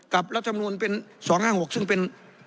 กับรัฐสภาวนก์เป็น๒๕๖ซึ่งเป็น